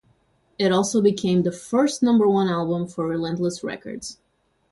It also became the first number-one album for Relentless Records.